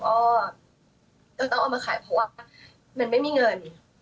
ก็ต้องเอามาขายเพราะว่ามันไม่มีเงิน